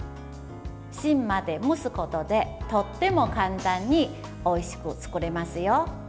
芯まで蒸すことで、とても簡単においしく作れますよ。